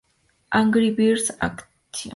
Angry Birds Action!